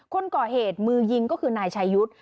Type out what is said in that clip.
คนก่อเหตุมือยิงก็คือนายชายุทธ์